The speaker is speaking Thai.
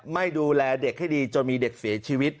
ไม่ดูแลเด็กให้ดีจนมีเด็กเสียชีวิต